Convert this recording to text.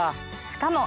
しかも。